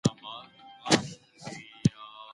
کله چي قدرت ولاړ نو دوستان هم ورسره لاړل.